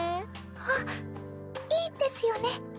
あっいいですよね。